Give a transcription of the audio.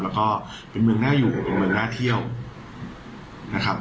แล้วก็เป็นเมืองน่าอยู่เป็นเมืองน่าเที่ยวนะครับ